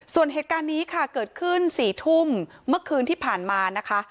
ส่วนเหตุการณ์นี้ค่ะเกิดขึ้น๔ทุ่มเมื่อคืนที่ผ่านมานะคะ